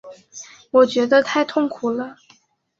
我觉得太痛苦了